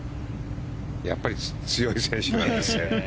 やっぱり強い選手がいますね。